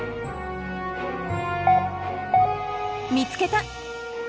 見つけた！